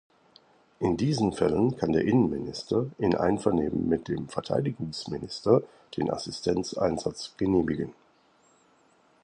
In diesen Fällen kann der Innenminister in Einvernehmen mit dem Verteidigungsminister den Assistenzeinsatz genehmigen.